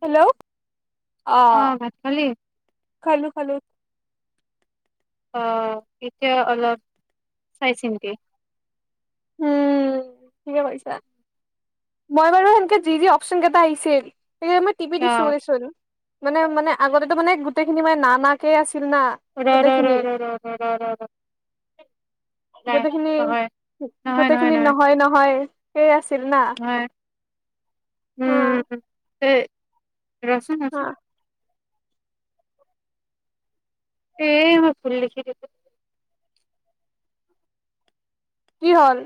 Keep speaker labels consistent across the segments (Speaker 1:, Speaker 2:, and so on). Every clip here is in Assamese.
Speaker 1: হেল্ল' অ',
Speaker 2: ভাত খালি
Speaker 1: খালো খালো
Speaker 2: অ', এতিয়া অলপ চাই চিন্তি
Speaker 1: উম ঠিকে কৈছা, মই বাৰু সেনকে যি যি অপচন কেটা আহিছিল এ মই টিপি
Speaker 2: অ
Speaker 1: দিছো য়েছোন মানে মানে আগতেটো মানে গোটেইখিনি মানে না না কেই আছে আছিল
Speaker 2: ৰে ৰে ৰে ৰে ৰে ৰে, নাই নহয়
Speaker 1: গো-গোটেইখিনি নহয় নহয় হয়, সেই আছ
Speaker 2: হয়, উম
Speaker 1: হা
Speaker 2: এ ৰ'চোন
Speaker 1: হা
Speaker 2: ৰ'চোন এ মই ভূল লিখি দিলো।
Speaker 1: কি হ'ল?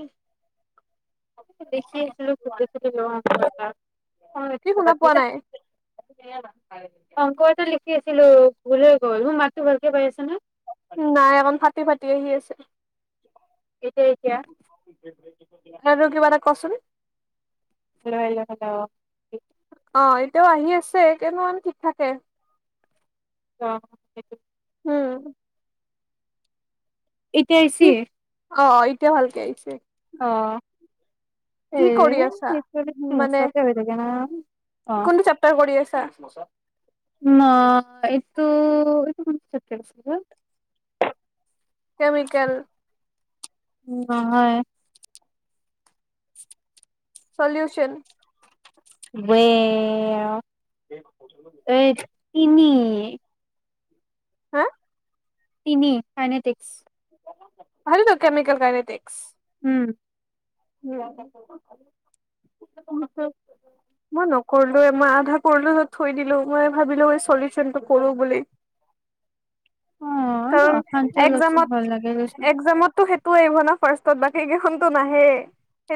Speaker 2: দেখি আহিছিলো ফটো ছটো [inaudible]
Speaker 1: কি শুনা পোৱা নাই?
Speaker 2: অংক এটা লিখি আছিলো ভূল হৈ গ'ল। মোৰ মাততো ভালকে পাইছা না?
Speaker 1: নাই অকন ফাটি -ফাটি আহি আছে।
Speaker 2: এতিয়া, এতিয়া?
Speaker 1: তই এই টোত কিবা এটা ক'চোন?
Speaker 2: লাহ [inaudible]
Speaker 1: তেওঁ আহি আছে কেইমাহ মান ঠিক থাকে।
Speaker 2: অ সেইটো।।
Speaker 1: উম।
Speaker 2: এতিয়া আহচি?
Speaker 1: এতিয়াও ভালকে আহিছে।
Speaker 2: অ' এ
Speaker 1: কি কৰি আছা,
Speaker 2: এইটো
Speaker 1: মানে?
Speaker 2: হিংসাতে হৈ থাকে না অ
Speaker 1: কোনটো চেপ্টাৰ কৰি আছা?
Speaker 2: ন এইটো ই মন [unintelligible]
Speaker 1: কেমিকেল।।
Speaker 2: অ' হয়।
Speaker 1: চলিউছন।
Speaker 2: বে অ', এই তিনি।। উ।
Speaker 1: হা।
Speaker 2: তিনি ফাইনেটিক্স।
Speaker 1: ভাল টো কেমিকেল ফাইনেটিক্স।
Speaker 2: উম।
Speaker 1: মই নকৰিলোৱে মই আধা কৰিলোঁ থৈ দিলো মই ভাবিলো এই চলুচনটো কৰো বুলি।
Speaker 2: অ
Speaker 1: কাৰণ
Speaker 2: অশান্তি অলপচোন ভাল লাগে দেচোন
Speaker 1: একজামত একজামতো সেইটো।। ত আহিব ন ফাৰ্ষ্টত বাকী কেইখনতো নাহেই।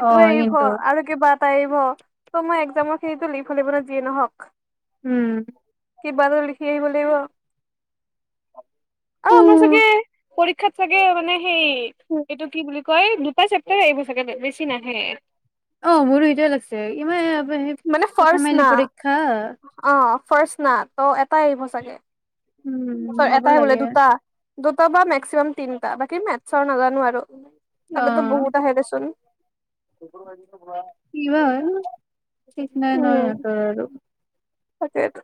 Speaker 2: অ
Speaker 1: এৰিব
Speaker 2: কিন্তু
Speaker 1: আৰু কিবা এটা এৰিব। ত' মই একজামৰ খিনতো লিখিব লাগিব টো ন যিয়ে নহক?
Speaker 2: উম।
Speaker 1: কিবা টো লিখি আহিব লাগিব। অ
Speaker 2: উ
Speaker 1: মই ছাগে।। পৰীক্ষাত চাগে মানে। সেই এইটো কি বুলি ক দুটা চেপ্তাৰ আহিব চাগে নাহে
Speaker 2: অ মোৰো এটয় লাগিছে ইমান
Speaker 1: মানে
Speaker 2: প্ৰথমে এলি পৰীক্ষা
Speaker 1: ফাৰ্ষ না ত' এটাই আহিব চাগে
Speaker 2: উম হ'ব
Speaker 1: এটাই বোলে
Speaker 2: লাগে
Speaker 1: দুটা দুটা বা মেক্সিমাম তিনিটা বাকী মেথছৰ নাজানো আৰু
Speaker 2: অ
Speaker 1: তলে তো বহুত আহ আহে দেচোন স
Speaker 2: কিবাৰ ঠিক নাই নহ সিহঁতৰ আৰু
Speaker 1: সাকেইটো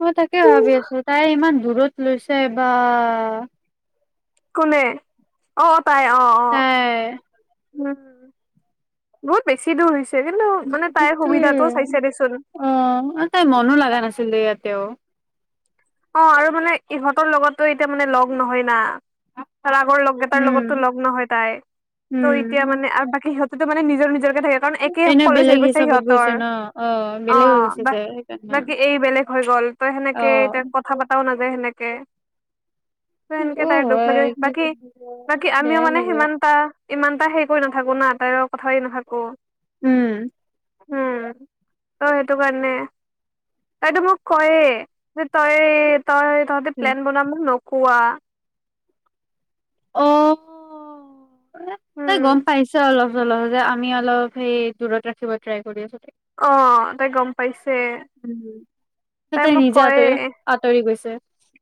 Speaker 2: মই তাকে ভাবি আছো তাই ইমান দূৰত লৈছে বা
Speaker 1: কোনে অ পাই অ অ
Speaker 2: তাই
Speaker 1: উম বহুত বেছি দূৰ হৈছে কিন্তু মানে তাইৰ
Speaker 2: স
Speaker 1: সুবিধাটো চাইছে দেচোন
Speaker 2: অ তাই মনো লগা নাছিলে ইয়াতেও
Speaker 1: অ আৰু মানে ইহঁতৰ লগতো এতিয়া মানে লগ নহয় না তাৰ আগৰ লগ এটাৰ
Speaker 2: উম
Speaker 1: লগতো লগ নহয় তাই
Speaker 2: উম
Speaker 1: ত' এতিয়া মানে আৰু বাকী সিহত তে মে নিজৰ নিজৰ থাকে কাৰণ একেই
Speaker 2: এনে
Speaker 1: খলেজ হৈ
Speaker 2: বেলেগ
Speaker 1: গৈছে
Speaker 2: হিচাপত
Speaker 1: সিহঁতৰ
Speaker 2: গৈছে ন অ বেলেগ হৈ গৈছে
Speaker 1: অ
Speaker 2: যে সেইকাৰণে
Speaker 1: বাকী এই বেলেগ হৈ গ'ল তই
Speaker 2: অ
Speaker 1: সেনেকে এতিয়া পতাও নাযায় সেনেকে ত
Speaker 2: সেইটো
Speaker 1: সেনেকে তাইৰ দুখ লাগে
Speaker 2: হয় কি
Speaker 1: বাকী বাকী আমিও
Speaker 2: বেয়াই
Speaker 1: মানে
Speaker 2: লাগে
Speaker 1: সিমানটা ইমানটা হেৰি কৰি নাথাকো না তাইৰ কথাই নাথাকো
Speaker 2: উম
Speaker 1: উম ত সেইটো কাৰণে তইটো মোক কয়ে তই তই তহঁতে প্লেনাম ন কোৱা
Speaker 2: অ ত
Speaker 1: উম
Speaker 2: গম পাইছ অলপ চলহ যে আমি অলপ সেই দূৰত ৰাখিব ট্ৰাই কৰি আছো
Speaker 1: অ তাই গম পাইছ
Speaker 2: উ ততে নিজে
Speaker 1: কয়ে
Speaker 2: আঁতৰি আঁতৰি গৈছে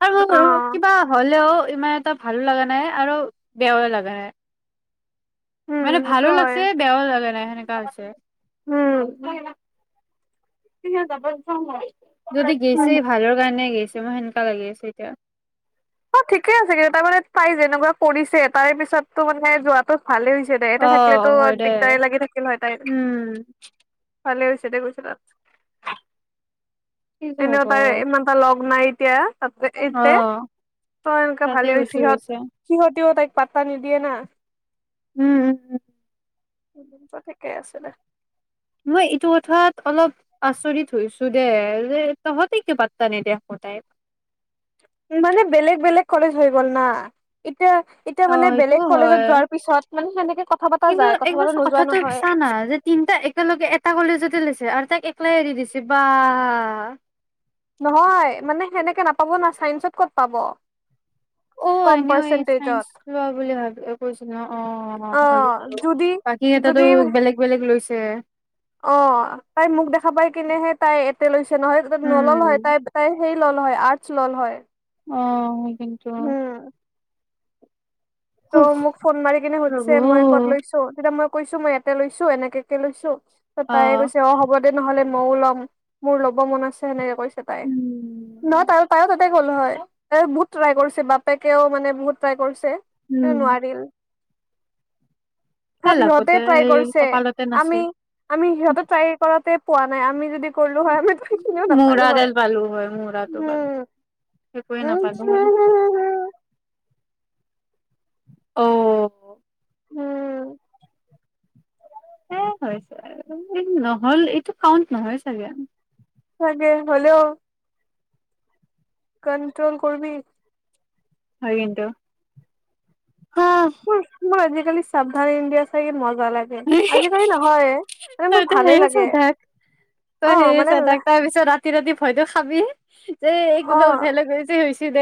Speaker 2: আৰু
Speaker 1: অ
Speaker 2: কিবা হলেও ইমান এটা ভালো লগা নাই আৰু বেয়াও লগা নে
Speaker 1: উম
Speaker 2: মানে
Speaker 1: সেইটো
Speaker 2: ভালো
Speaker 1: হয়
Speaker 2: লাগছে বেয়াও লাগা নাই সেনেকা হৈছে
Speaker 1: ম তিনিহজাৰ প চ
Speaker 2: যদি গৈছে ভালৰ কাৰণে গৈছে। মোৰ কেনকা লাগি আছে এতিয়া
Speaker 1: অ' ঠিকে আছে, কিন্তু তাই যেনেকুৱা কৰিছে তাৰে পিছতো মানে যোৱাটো ভালেই হৈছে দে,
Speaker 2: অ
Speaker 1: ইয়াতে থাকিলেতো
Speaker 2: হয় দে
Speaker 1: দিগদাৰী লাগি থাকিল হয় তাই।
Speaker 2: উম
Speaker 1: ভালে হৈছে দে গৈছে তাত।
Speaker 2: কি যে
Speaker 1: এনেও
Speaker 2: হব
Speaker 1: তাই পাৰে ইমান টা লগ নাই ট তেতিয়া
Speaker 2: অ
Speaker 1: এনতে তই এনেুৱা
Speaker 2: তাতে
Speaker 1: ভালেই হৈছে
Speaker 2: গুচি
Speaker 1: সিহঁত
Speaker 2: গৈছে
Speaker 1: সিহঁত তেওঁ তাইক পাত্তা নিদিয়ে না।
Speaker 2: উম উম উম উ
Speaker 1: তেন্তে ঠিকেই আছিলে দে
Speaker 2: মই এইটো কথাত অলপ আচৰিত হৈছো দে যে তহঁতে কিয় পাত্তা নিদিয় আকৌ তাইক।
Speaker 1: মানে বেলেগ বেলেগ কলেজ হৈ গ'ল না এতিয়া এতিয়া
Speaker 2: অ
Speaker 1: মানে
Speaker 2: এইটো
Speaker 1: বেলেগ কলেজত
Speaker 2: হয়।
Speaker 1: যোৱাৰ পিছত মানে সেনেকে কথা পতা
Speaker 2: কিন্তু
Speaker 1: যায় কথা
Speaker 2: একবাৰ
Speaker 1: পতা নোযোৱা
Speaker 2: কথাটো
Speaker 1: নহয়
Speaker 2: চানা যে তিনটা একেলগে এটা কলেজতে লৈছে, আৰু তাক ওকলে এৰি দিছে, বা।
Speaker 1: নহয় মানে, সেনেকে নাপাব না, চাইন্সত ক'ত পাব?
Speaker 2: অ'
Speaker 1: কম
Speaker 2: এনেও এই চাইন্স
Speaker 1: পাৰ্চেন্টেজত
Speaker 2: লোৱা বুলি ভাবি কৈছিল ন অ'
Speaker 1: যদি
Speaker 2: বাকী কেইটাতো
Speaker 1: যদি
Speaker 2: বেলেগ বেলেগ লৈছে। [unintelligible]
Speaker 1: অ তাই মোক দেখা পাই কিনেহে তাই ইয়াতে লৈছে। নহয়, তাতে নললে হয়
Speaker 2: উম,
Speaker 1: তাই তাই সেই ল'লে হয় আৰ্টছ ল'লে হয়।
Speaker 2: অ' ক্ষেত্ৰত
Speaker 1: উম ত' মোক ফোন মাৰি কিনে
Speaker 2: প্ৰভু
Speaker 1: সুধিছে, মই ক'ত লৈছো তেতিয়া মই কৈছো মই ইয়াতে লৈছো এনেকেকে লৈছো ত তাইে কৈছে অ হ'ব দে নহলে ময়ো লম মোৰ লব মন আছে সেনেকে কৈছো তাই, ন
Speaker 2: উম,
Speaker 1: তাইও তাত তাতে গ'ল হৈ তাই বহুত চেষ্টা কৰিছে, দেউতাকে নিজে বহুত চেষ্টা কৰিছে।
Speaker 2: উম,
Speaker 1: নোৱাৰিলে
Speaker 2: এ
Speaker 1: ভাব সিহঁতে
Speaker 2: লাগতে
Speaker 1: চেষ্টা
Speaker 2: এই
Speaker 1: কৰিছে,
Speaker 2: কপালতে
Speaker 1: আমি,
Speaker 2: নাছিল।
Speaker 1: আমি সিহঁতে চেষ্টা কৰোঁতে। আমি যদি পোৱা নাই। কৰিলোঁ হৈ, আমি সেইখনিও নাপালো হয়।
Speaker 2: মূৰাডাল পালো হয় মূৰাটো পালো একোৱে
Speaker 1: উম,
Speaker 2: নাপালো হয়
Speaker 1: উম
Speaker 2: অ'।
Speaker 1: উম
Speaker 2: এ হৈছে আৰু, এইটো নহ'ল এইটো কাউণ্ট নহয় চাগে।
Speaker 1: [unintelligible] হ'লেও কণ্ট্ৰল কৰিবি।
Speaker 2: হৈ কিন্তু হা
Speaker 1: [unintelligible] মোৰ আজি আজি কালি সাৱধান ইণ্ডিয়া চাই [inaudible] নালাগে আজি কালি নহয় মানে মোৰ
Speaker 2: তই
Speaker 1: ভালে
Speaker 2: সেইবোৰে চাই
Speaker 1: লাগে।
Speaker 2: থাক, তাৰ
Speaker 1: অ' মানে
Speaker 2: পিছত সেইবোৰ চাই ৰাতি ভয় খাবি যে কোনবাই
Speaker 1: অ'
Speaker 2: উঠাই লৈ গৈছে। [unintelligible]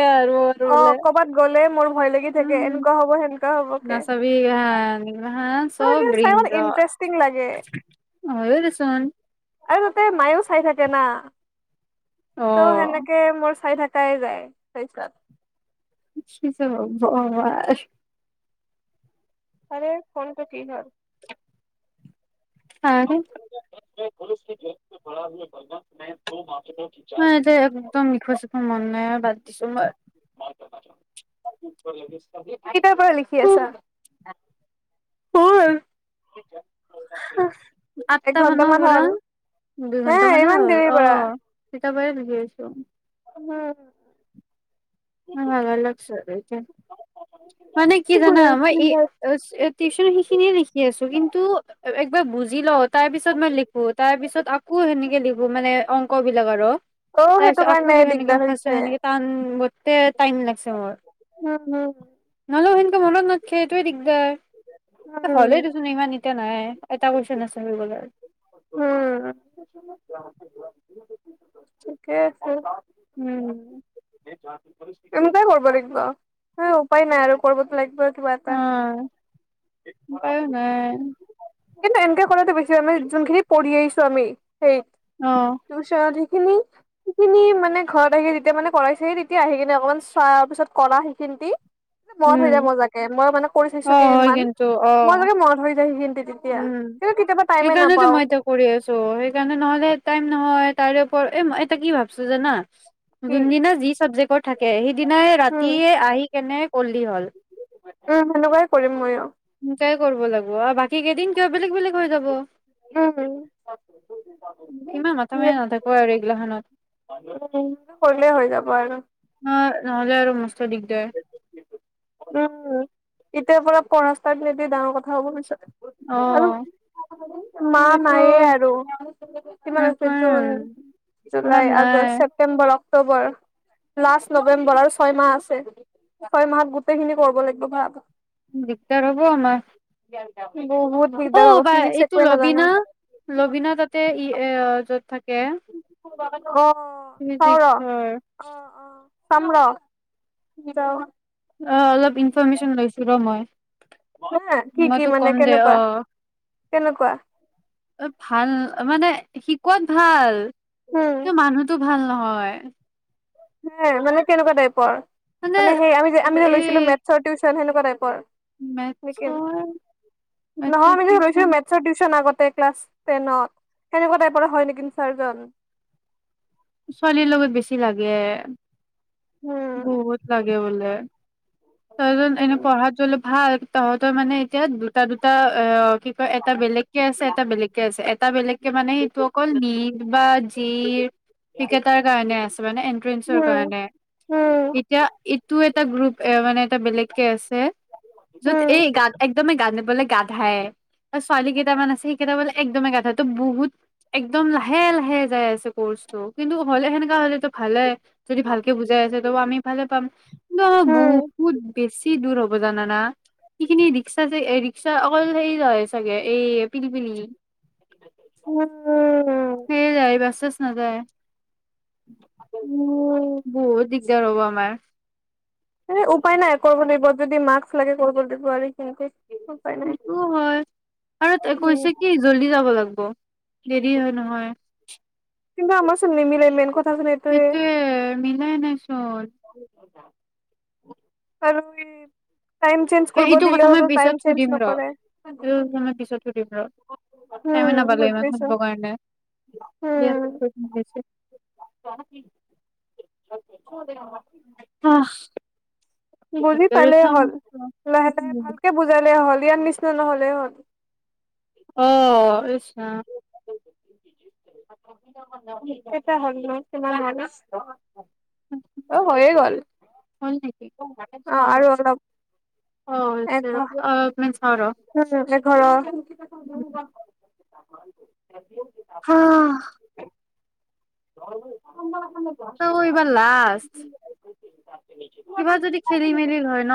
Speaker 2: আৰু
Speaker 1: অ'
Speaker 2: বোলে
Speaker 1: কৰবাত গ'লে মোৰ ভয় লাগি থাকে,
Speaker 2: উম
Speaker 1: এনেকুৱা হ'ব সেনেকুৱা হ'ব।
Speaker 2: নাচাবি এইবোৰ, এইবোৰ
Speaker 1: চাই মানে
Speaker 2: সকলো
Speaker 1: ইন্টাৰেষ্টিং লাগে
Speaker 2: [inaudible] হৈ দে চোন।
Speaker 1: আৰু তাতে মায়েও চাই থাকে না।
Speaker 2: অ
Speaker 1: মই তেনেকৈ চাই থাকোঁ। [unintelligible]
Speaker 2: কি যে হ'ব আ
Speaker 1: আৰে ফোনটো কি হল।
Speaker 2: [unintelligible]
Speaker 1: [unintelligible]
Speaker 2: ন এতিয়া একদম লিখ্ব-চিখ্বৰ মন নাই আ বাদ দিছো মই।
Speaker 1: [unintelligible] কেতিয়াৰ পৰা লিখি আছা। [unintelligible]
Speaker 2: [unintelligible]
Speaker 1: এক
Speaker 2: আঠটা মানৰ
Speaker 1: ঘন্টামান
Speaker 2: পৰা,
Speaker 1: হ'ল। হে
Speaker 2: দুইঘন্টা মানে
Speaker 1: ইমান
Speaker 2: হ'ল,
Speaker 1: দেৰিৰ
Speaker 2: অ।
Speaker 1: পৰা
Speaker 2: কেতিয়াবাই লিখি আছো।
Speaker 1: হুম
Speaker 2: উম, অলপচে এতিয়া মানে কি জানা মই টিউচন সিখিনিয়ে লিখি আছো কিন্তু বুজি লও তাৰ পিছত মই লিখো তাৰ পিছত আকৌ সেনেকে লিখো মানে অংক বিলাক আৰু।
Speaker 1: অ
Speaker 2: তাৰ
Speaker 1: সেইটো
Speaker 2: পিছত আক
Speaker 1: কাৰণে
Speaker 2: অনেকে
Speaker 1: দিগদাৰ
Speaker 2: কৈছে
Speaker 1: হৈছে
Speaker 2: এনকে তান টে-টাইম লাগিছে মোৰ।
Speaker 1: উম, উম।
Speaker 2: নহললে সেনকে মনত নাথখে এইটোৱে দিগদাৰ।। হ'লেও দেচোন ইমান এতিয়া নাই, এটা কুৱেশন আছে হৈ গ'ল আৰু।
Speaker 1: উম, ঠিকে আছে।
Speaker 2: উম।
Speaker 1: এনেকোৱাই কৰবা লাগব আৰু উপায় নাই আৰু কৰিবতো লাগবই কিবাতা।
Speaker 2: উপায়ও নাই।
Speaker 1: কিন্তু এনকে কৰাটো বেছি আমি যোনখিনি পঢ়ি আহিছো আমি সেই
Speaker 2: অ
Speaker 1: [unintelligible] খিনি-সিখিনি মানে ঘৰত আহি যেতিয়া মানে কৰাইছেহি তেতিয়া আহি কিনে অকমান চোৱা পিছত কৰা সিখিনতি মনত
Speaker 2: উম
Speaker 1: হৈ যায় মজাকে মই মানে কৰি চাইছো
Speaker 2: অ হয়
Speaker 1: কেইদিনমান,
Speaker 2: কিন্তু অ
Speaker 1: মই যাগে মনত ধৰি যায় সেইখি
Speaker 2: উম, সেইকাৰণেতো মই এতিয়া কৰি আছো সেইকাৰণে নহলে টাইম নহয় তাৰে এই-এটা কি ভাবছো জানা।
Speaker 1: কি
Speaker 2: যোনদিনা যি চাবজেক্টৰ থাকে সিদিনাই
Speaker 1: উম
Speaker 2: ৰাতিয়ে আহি কেনে কৰলি হল।
Speaker 1: উম সেনেকুৱাই কৰিম ময়ো
Speaker 2: কৰ্ব লাগিব আ বাক ঠিক এইদিন কিয় বেলেগ-বেলেগ হৈ যাব।
Speaker 1: উ
Speaker 2: ইমান মাথা মাৰি নাথাকো আৰু এইগিলাখনত
Speaker 1: উ হলে হৈ যাব আৰু
Speaker 2: ন নহলে ম
Speaker 1: উম ইতিয়াপ ক ৰাস্তা বিলে ডাঙৰ কথা হ'ব
Speaker 2: অ
Speaker 1: পিতে আৰু মা
Speaker 2: সেইটো
Speaker 1: নায়ে আৰু কিমান আছে
Speaker 2: এনেকুৱাই
Speaker 1: জুন
Speaker 2: আৰু
Speaker 1: জুলাই
Speaker 2: ইমান নাই
Speaker 1: আগষ্ট ছেপ্তেম্বৰক অক্টোবৰ লাষ্ট নৱেম্বৰ আৰু ছয় মাহ আছে ছয় মাহত গোটেই খিনি কৰিব লাগিব ভ
Speaker 2: দিগদাৰ হব
Speaker 1: বহুত
Speaker 2: আমাৰ অ
Speaker 1: দিগদাৰ হ'ব
Speaker 2: বা
Speaker 1: ফিজিক্স
Speaker 2: এইটো
Speaker 1: একোৱে নাজানো
Speaker 2: লবিনা লবিনা তাতে ই এ য'ত থাকে এক
Speaker 1: [unintelligible]
Speaker 2: ফিজিক্সৰ
Speaker 1: চাম্ৰ
Speaker 2: অ অলপ ইনফৰমেশচন লৈছিলো ৰ মই
Speaker 1: হা কি
Speaker 2: মই
Speaker 1: কি
Speaker 2: তোক
Speaker 1: মানে
Speaker 2: কম দে
Speaker 1: কেনেকুৱা কেনেকুৱা
Speaker 2: অ ভাল মানে শিকত ভাল
Speaker 1: উম
Speaker 2: মানুহতো ভাল নহয়
Speaker 1: হ মানে কেনেকুৱা টাইপৰ মানে সেই আমি যে আমি যে
Speaker 2: এই
Speaker 1: লৈছিলো মেথছ টউশচন সে ন নাই প [unintelligible] নক
Speaker 2: মেথছৰ
Speaker 1: নহয়
Speaker 2: মেথছৰ
Speaker 1: আমি যে
Speaker 2: টিউচন
Speaker 1: ৰৈছিলো মেথছৰ টিউচন আগতে এতিয়া কালাছ টেনত সেনে কোৱা টাইফৰ হয় নিকি
Speaker 2: ছোৱালীৰ লগত বেছি লাগে উ [inaudible]
Speaker 1: উম
Speaker 2: বহুত লাগে বাল হ তজন এনেই
Speaker 1: উম
Speaker 2: পঢ়াত যলে হা তহঁতৰ মানে এতিয়া দুটা দুটা অ কি কয় এটা বেলেগকে আছে এটা বেলেগকে আছে এটা বেলেগকে মানে সটো অকল নদ বা জিৰ টিকটাৰ কাৰণে আছে মানে এনট্ৰেঞ্চৰ কাৰণে
Speaker 1: উম উম
Speaker 2: এতিয়া ইটো এটা গ্ৰুপ এ মানে এটা বেলেগকে আছে যত
Speaker 1: উম
Speaker 2: এই গাত একদম গানিবলে গাাধাই আৰু ছোৱালী কেইটামান আছে সেই কেইটা বলে একদমে গাাধাই ত বহুত একদম লাহে লাহে যাই আছে কৰ্চ টো কিন্তু হ'লে সেনেকা হ'লেতো ভালে যদি ভালকে বুজাই আছে ত আমি ভালে পাম কি বহুত বেছি দূৰ হ'ব জানানা সেইখিনি ৰিক্সা যে ৰিক্সা অকল হেৰি চাগে এই পিলি পিনি
Speaker 1: উম।
Speaker 2: সেয়ে যায় বাছ চাছ নাযায়।
Speaker 1: উ।
Speaker 2: বহু দিকদাৰ হ'ব আমাৰ।
Speaker 1: এ' উপায় নাই কৰিব লাগিব যদি মাক্স লাগে কৰিব লাগিব আৰু কিন্তু। উপায় নাই
Speaker 2: সেইটো হয়, আৰু কৈছে কি জল্দি যাব লাগিব।
Speaker 1: কিন্ত আমাৰ চোন নিমিলেই মেইন কথা চোন এইতোৱই।
Speaker 2: সেইটোয়ে মিলাই নাইচোন
Speaker 1: আৰু এই। টাইম চেঞ্জ
Speaker 2: এ
Speaker 1: কৰিব
Speaker 2: এইটো কথা
Speaker 1: দিলেও
Speaker 2: মই
Speaker 1: টাইম
Speaker 2: পিছত
Speaker 1: চেঞ্জ
Speaker 2: সুধিম ৰ
Speaker 1: নকৰে।
Speaker 2: এইটো কথা মই পিছত সুধিম ৰ টাইমে নাপালো ইমান
Speaker 1: পাইছো
Speaker 2: কাৰণে বিৰাত
Speaker 1: উম
Speaker 2: প্ৰব্লেম হৈছে।
Speaker 1: উম দেহাটি।
Speaker 2: আহ।
Speaker 1: বুজি পালে হ'ল, লাহে লাহে ভালকে বুজালে হ'ল। বিয়াৰ নিচিনা নহ'লে হ'ল।
Speaker 2: আহ ইছ ৰাম।
Speaker 1: [unintelligible] এতিয়া হ'ল ন তুমাৰ আলচ। অ হৈয়ে গল
Speaker 2: হ'ল নেকি
Speaker 1: অ
Speaker 2: চাও
Speaker 1: আৰু
Speaker 2: ৰ
Speaker 1: অলপ
Speaker 2: অ হৈছে
Speaker 1: এঘ
Speaker 2: ৰ অলপমান চাও ৰ
Speaker 1: এঘৰ।
Speaker 2: হাআ।
Speaker 1: [unintelligible]
Speaker 2: অ' এই বাৰ লাষ্ট। কিবা যদি খেলি মেলি হয় ন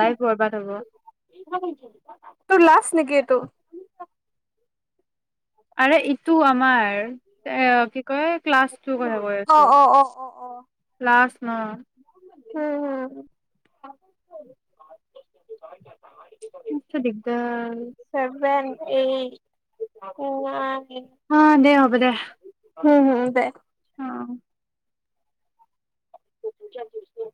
Speaker 2: লাইফ বৰবাদ হ'ব।
Speaker 1: তোৰ লষ্ট নেকি এইটো? [inaudible]
Speaker 2: আৰু ইটো আমাৰ। এ কি কয় ক্লাছটোৰ কথা কৈ
Speaker 1: অ',
Speaker 2: আছো।
Speaker 1: অ', অ', অ', অ'।
Speaker 2: ক্লাছ ন
Speaker 1: উম হু।
Speaker 2: এনেকে দিগদাৰ।
Speaker 1: এই উৱা।
Speaker 2: অ' দে হ'ব দে। [unintelligible]
Speaker 1: উম হম দে।
Speaker 2: অ'।
Speaker 1: [unintelligible]